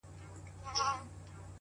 او وېره احساسوي تل-